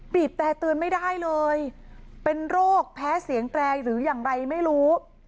แตรเตือนไม่ได้เลยเป็นโรคแพ้เสียงแตรหรืออย่างไรไม่รู้